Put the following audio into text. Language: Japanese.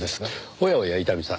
おやおや伊丹さん。